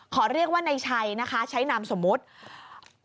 ขอเรียกว่าในชัยนะคะใช้นามสมมุติ